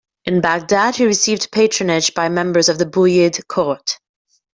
In Baghdad, he received patronage by members of the Buyid court.